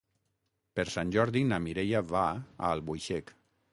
Per Sant Jordi na Mireia va a Albuixec.